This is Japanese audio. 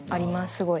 すごい。